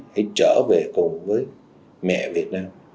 hãy trở về cùng với mẹ việt nam